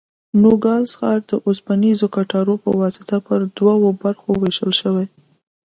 نوګالس ښار د اوسپنیزو کټارو په واسطه پر دوو برخو وېشل شوی.